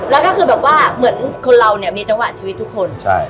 แล้วก็คือแบบว่าเหมือนคนเราเนี่ยมีจังหวะชีวิตทุกคน